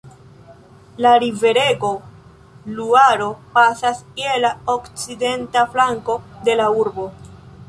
La riverego Luaro pasas je la okcidenta flanko de la urbo.